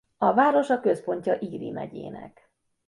A város a központja Erie megyének.